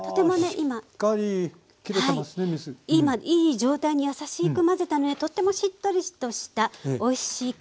今いい状態に優しく混ぜたのでとてもしっとりとしたおいしい感じに仕上がってます。